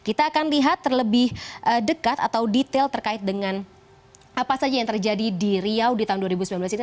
kita akan lihat terlebih dekat atau detail terkait dengan apa saja yang terjadi di riau di tahun dua ribu sembilan belas ini